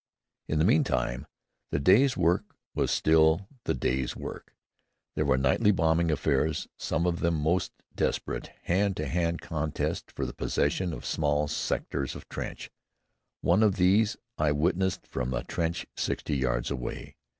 In the mean time the day's work was still the day's work. There were nightly bombing affairs, some of them most desperate hand to hand contests for the possession of small sectors of trench. One of these I witnessed from a trench sixty yards away.